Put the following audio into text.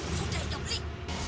sudah itu beli